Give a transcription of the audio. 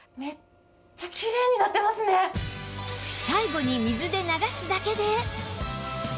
最後に水で流すだけで